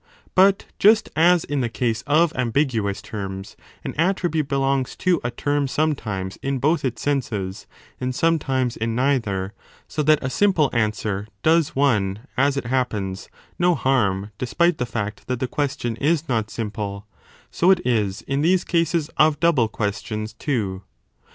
But just as in the case of ambiguous terms, an attribute belongs to a term sometimes i8i b in both its senses, and sometimes in neither, so that a simple answer does one, as it happens, no harm despite the fact that the question is not simple, so it is in these cases of double questions too.